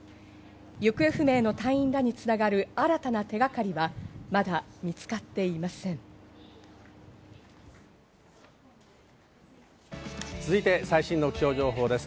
行方不明の隊員らに繋がる新たな手がかりは、まだ見つかっていま最新の気象情報です。